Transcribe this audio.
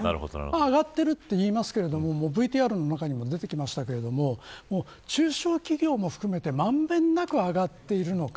上がっているって言いますけれどもＶＴＲの中にも出てきましたが中小企業も含めて満遍なく上がっているのか